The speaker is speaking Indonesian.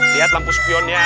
lihat lampu spionnya